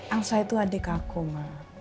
angsa itu adik aku mah